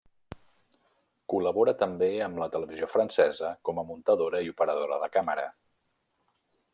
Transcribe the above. Col·labora també amb la televisió francesa com a muntadora i operadora de càmera.